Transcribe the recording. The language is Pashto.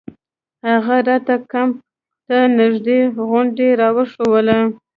هغه راته کمپ ته نژدې غونډۍ راوښووله.